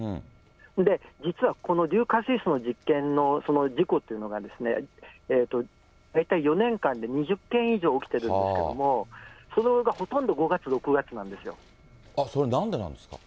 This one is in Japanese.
それで実はこの硫化水素の実験の事故っていうのが、大体４年間で２０件以上起きているんですけれども、そのほとんどそれ、なんでなんですか？